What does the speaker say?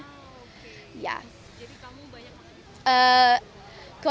jadi kamu banyak banget